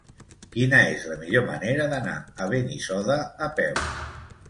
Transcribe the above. Quina és la millor manera d'anar a Benissoda a peu?